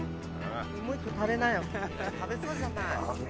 もう１個食べなよ。